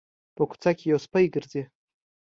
په کوڅه کې یو سپی ګرځي